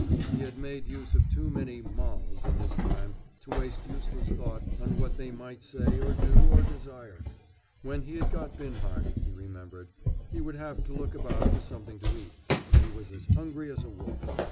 He had made use of too many "molls" in his time to waste useless thought on what they might say or do or desire. When he had got Binhart, he remembered, he would have to look about for something to eat, for he was as hungry as a wolf.